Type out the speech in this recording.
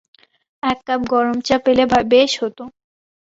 এক কাপ গরম চা পেলে বেশ হত।